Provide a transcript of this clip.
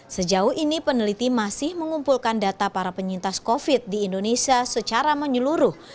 sejauh ini peneliti masih mengumpulkan data para penyintas covid di indonesia secara menyeluruh